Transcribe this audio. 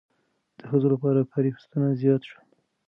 د ښځو لپاره کاري فرصتونه زیات شول.